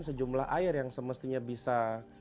sejumlah air yang semestinya bisa